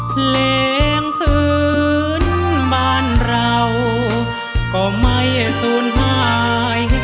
เพลงพื้นบ้านเราก็ไม่สูญหาย